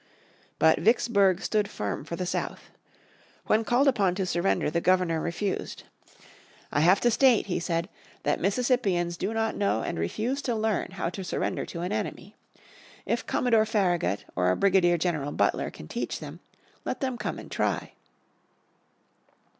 But Vicksburg stood firm for the South. When called upon to surrender the governor refused. "I have to state," he said, "that Mississippians do not know, and refuse to learn, how to surrender to an enemy. If Commodore Farragut, or Brigadier General Butler, can teach them, let them come and try."